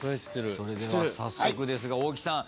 それでは早速ですが大木さん